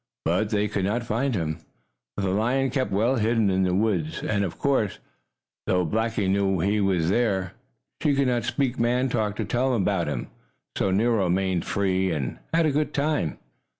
But they could not find him, for the lion kept well hidden in the woods. And of course, though Blackie knew he was there, she could not speak man talk to tell about him. So Nero remained free and had a good time.